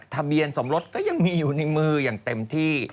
ทะเบียนสมรสก็ยังมีอยู่ในมืออย่างเต็มที่